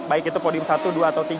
baik itu podium satu dua atau tiga